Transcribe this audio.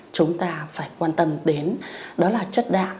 chúng ta phải quan tâm đến đó là chất đạm